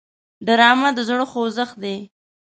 ډرامه د زړه خوځښت دی